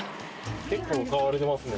結構買われてますね。